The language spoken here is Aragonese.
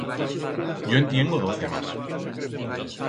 Yo en tiengo doce más.